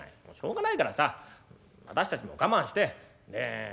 もうしょうがないからさ私たちも我慢してねえ